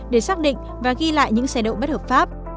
để xác định và ghi lại những xe đậu bất hợp pháp